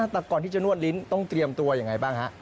แต่ก่อนที่จะนวดลิ้นต้องเตรียมตัวยังไงบ้างฮะ